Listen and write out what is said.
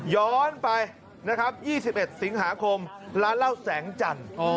ย้อนไปนะครับ๒๑สิงหาคมร้านเหล้าแสงจันทร์